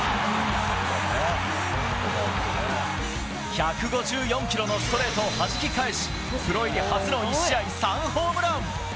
１５４キロのストレートをはじき返しプロ入り初の１試合３ホームラン！